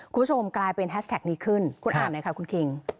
คุณผู้ชมกลายเป็นแฮชแท็กนี้ขึ้นคุณอ่านหน่อยค่ะคุณคิง